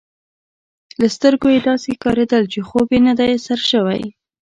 له سترګو يې داسي ښکارېدل، چي خوب یې نه دی سر شوی.